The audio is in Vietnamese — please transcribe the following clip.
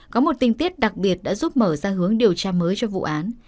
có một tình tiết đặc biệt đã giúp mở ra hướng điều tra mới cho vụ án